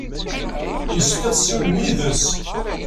Yessefk ad tessiwlem yid-s.